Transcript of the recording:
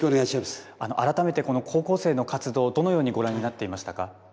改めてこの高校生の活動、どのようにご覧になっていましたか。